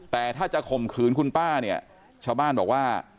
แต่ถ้าจะข่มขืนคุณป้าเนี่ยชาวบ้านบอกว่า